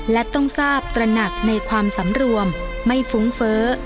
และต้องทราบตระหนักในความสำรวมไม่ฟุ้งเฟ้อ